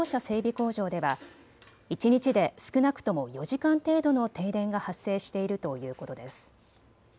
工場では一日で少なくとも４時間程度の停電が発生しているということです。